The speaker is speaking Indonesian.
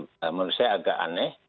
ini sesuatu yang menurut saya agak aneh